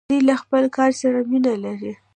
دوی له خپل کار سره مینه لري.